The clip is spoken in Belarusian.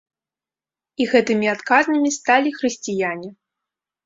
І гэтымі адказнымі сталі хрысціяне.